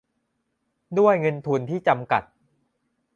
ด้วยเงินทุนที่จำกัด